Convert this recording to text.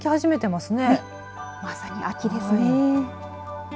まさに秋ですね。